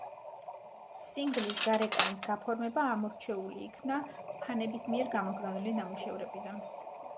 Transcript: სინგლის გარეკანის გაფორმება ამორჩეული იქნა ფანების მიერ გამოგზავნილი ნამუშევრებიდან.